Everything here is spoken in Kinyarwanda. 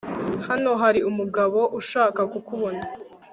Hano hari umugabo ushaka kukubona